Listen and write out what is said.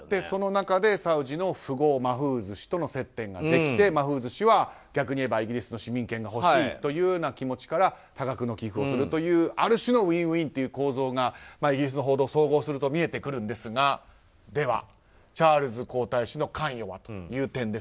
その中でサウジの富豪マフーズ氏との接点ができてマフーズ氏は逆に言えばイギリスの市民権が欲しいという気持ちから多額の寄付をするというある種ウィンウィンという構造がイギリスの報道、総合すると見えてくるんですがで